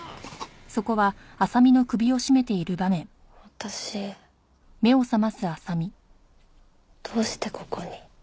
私どうしてここに？